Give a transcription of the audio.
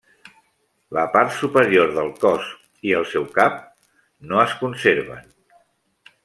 La part superior del cos i el seu cap no es conserven.